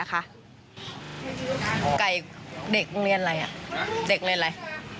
ไก่เด็กเรียนอะไร